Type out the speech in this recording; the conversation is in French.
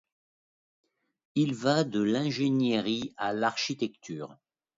Il va de l'ingénierie à l'architecture.